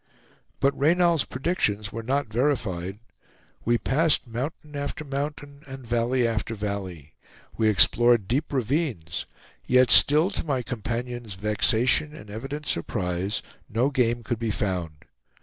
But Reynal's predictions were not verified. We passed mountain after mountain, and valley after valley; we explored deep ravines; yet still to my companion's vexation and evident surprise, no game could be found.